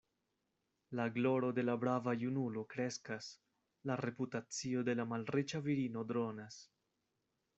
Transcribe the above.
La gloro de la brava junulo kreskas; la reputacio de la malriĉa virino dronas.